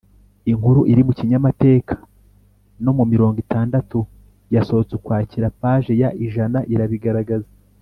Inkuru iri mu Kinyamateka no mirongo itandatu yasoohotse ukwakira paje ya ijana irabigaragaza